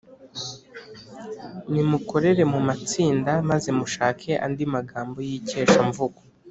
nimukorere mu matsinda maze mushake andi magambo y’ikeshamvugo